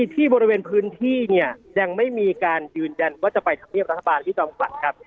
ที่บริเวณพื้นที่เนี่ยยังไม่มีการยืนยันว่าจะไปทำเนียบรัฐบาลพี่จอมขวัญครับ